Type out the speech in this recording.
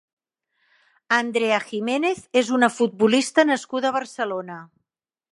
Andrea Giménez és una futbolista nascuda a Barcelona.